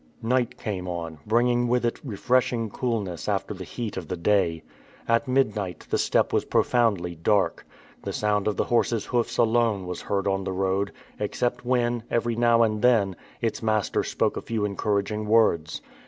Night came on, bringing with it refreshing coolness after the heat of the day. At midnight the steppe was profoundly dark. The sound of the horses's hoofs alone was heard on the road, except when, every now and then, its master spoke a few encouraging words.